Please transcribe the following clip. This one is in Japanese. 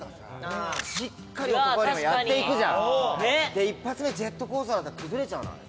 で１発目ジェットコースターだったら崩れちゃわない？